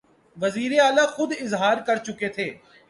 وزیراعلیٰ خود اظہار کرچکے تھے